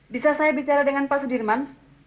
bisa saya bicara dengan pak sudirman